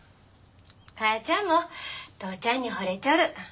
母ちゃんも父ちゃんに惚れちょる。